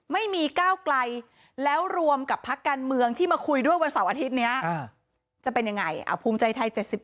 ไม่มีก้าวไกลแล้วรวมกับพักการเมืองที่มาคุยด้วยวันเสาร์อาทิตย์นี้จะเป็นยังไงภูมิใจไทย๗๘